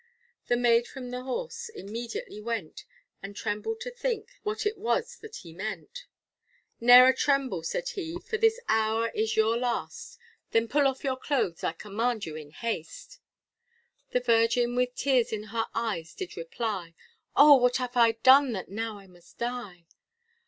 The maid from the horse immediately went, And trembled to think what it was that he meant; Ne'er tremble, said he, for this hour is your last, Then pull off your clothes. I command you in haste. The virgin, with tears in her eyes, did reply, O! what have I done that now I must die?